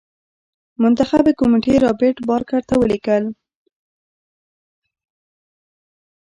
منتخبي کمېټې رابرټ بارکر ته ولیکل.